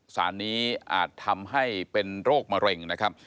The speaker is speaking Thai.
สารนี้อาจทำให้เป็นโรคมะเร็งนะครับ